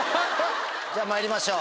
じゃあまいりましょう。